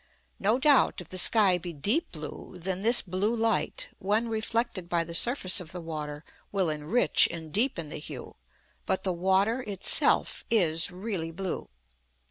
No doubt, if the sky be deep blue, then this blue light, when reflected by the surface of the water, will enrich and deepen the hue. But the water itself is really blue.